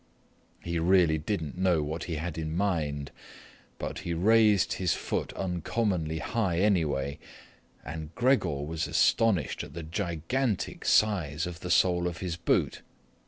He really didn't know what he had in mind, but he raised his foot uncommonly high anyway, and Gregor was astonished at the gigantic size of the sole of his boot.